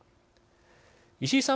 石井さん